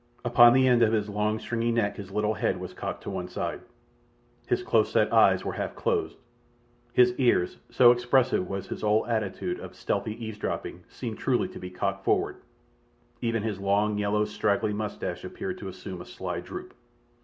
Upon the end of his long, stringy neck his little head was cocked to one side, his close set eyes were half closed, his ears, so expressive was his whole attitude of stealthy eavesdropping, seemed truly to be cocked forward—even his long, yellow, straggly moustache appeared to assume a sly droop.